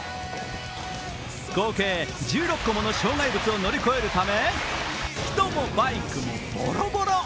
合計１６個もの障害物を乗り越えるため人もバイクもボロボロ。